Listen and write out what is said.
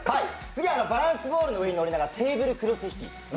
次はバランスボールの上に乗りながらテーブルクロス引き。